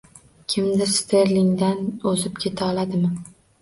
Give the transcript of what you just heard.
Kimdir Sterlingdan o‘zib keta oladimi?